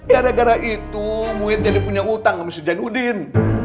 gara gara itu muhid jadi punya utang sama si jainuddin